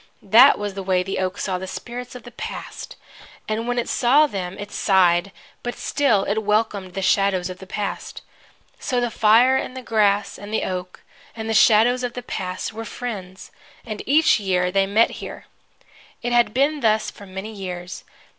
That was the way the oak saw the spirits of the Past, and when it saw them it sighed; but still it welcomed the shadows of the Past. So the fire, and the grass, and the oak, and the shadows of the Past were friends, and each year they met here. It had been thus for many years.